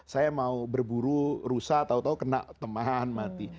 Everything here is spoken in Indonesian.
saya mau berburu rusak tau tau kena teman mati